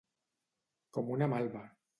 Com una malva.